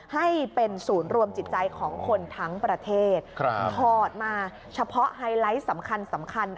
ให้เป็นศูนย์รวมจิตใจของคนทั้งประเทศถอดมาเฉพาะไฮไลท์สำคัญ